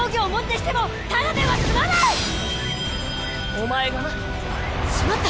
お前がな。しまった！